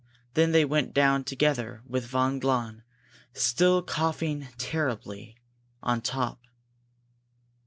Then they went down together with von Glahn, still coughing terribly, on top.